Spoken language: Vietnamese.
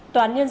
tòa án nhân dân